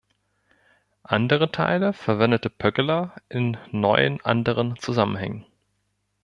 Andere Teile verwendete Pöggeler in neuen anderen Zusammenhängen.